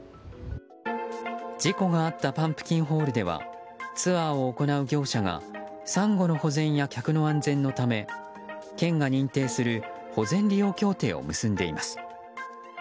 事故があったパンプキンホールではツアーを行う業者がサンゴの保全や客の安全のため、県が認定する保全利用協定を結んでいます。